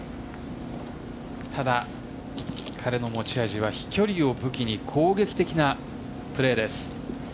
ただ、彼の持ち味は飛距離を武器に攻撃的なプレーです。